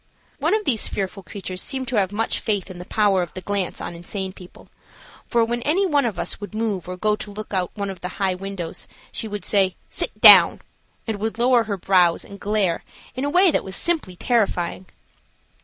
One of these fearful creatures seemed to have much faith in the power of the glance on insane people, for, when any one of us would move or go to look out of the high window she would say "Sit down," and would lower her brows and glare in a way that was simply terrifying.